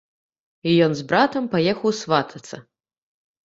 І ён з братам паехаў сватацца.